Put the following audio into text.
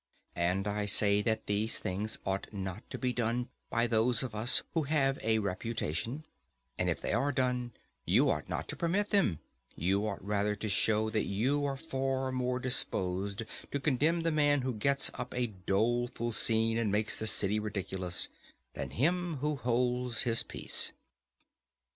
And I say that these things ought not to be done by those of us who have a reputation; and if they are done, you ought not to permit them; you ought rather to show that you are far more disposed to condemn the man who gets up a doleful scene and makes the city ridiculous, than him who holds his peace.